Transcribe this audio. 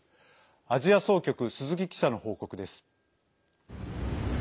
アジア総局、鈴木記者の報告です。